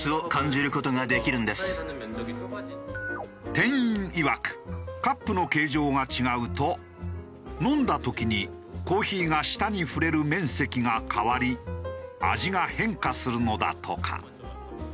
店員いわくカップの形状が違うと飲んだ時にコーヒーが舌に触れる面積が変わり味が変化するのだとか。